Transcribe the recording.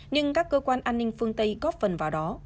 nhưng các cơ quan an ninh phương tây góp phần vào đó